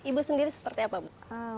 ibu sendiri seperti apa bu